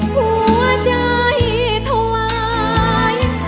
หัวใจถวาย